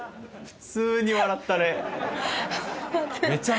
普通に笑ったね。